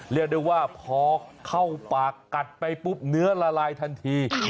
เรียกได้ว่าพอเข้าปากกัดไปปุ๊บเนื้อละลายทันที